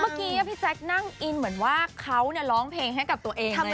เมื่อกี้พี่แจ๊คนั่งอินเหมือนว่าเขาร้องเพลงให้กับตัวเอง